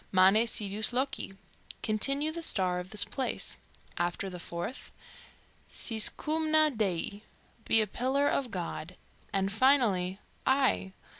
"Mane sidus loci" (Continue the star of this place); after the fourth, "Sis coumna Dei" (Be a pillar of God); and finally, "I!